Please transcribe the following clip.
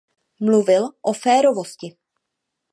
Mluvil o férovosti.